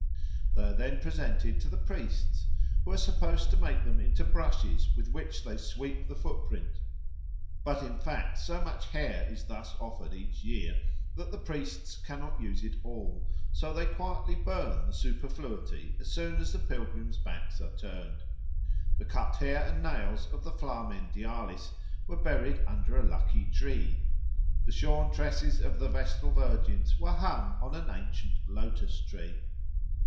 They are then presented to the priests, who are supposed to make them into brushes with which they sweep the Footprint; but in fact so much hair is thus offered every year that the priests cannot use it all, so they quietly burn the superfluity as soon as the pilgrims' backs are turned. The cut hair and nails of the Flamen Dialis were buried under a lucky tree. The shorn tresses of the Vestal Virgins were hung on an ancient lotus tree.